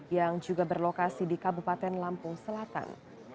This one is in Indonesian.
yang juga berlokasi di kabupaten lampung selatan